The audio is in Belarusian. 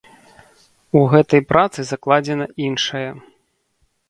У гэтай працы закладзена іншае.